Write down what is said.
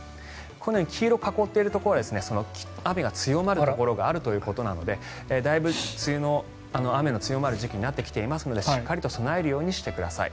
このように黄色で囲っているところは雨が強まるところがあるということなのでだいぶ梅雨の雨の強まる時期になってきていますのでしっかりと備えるようにしてください。